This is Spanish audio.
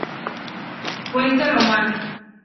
Fuente romana.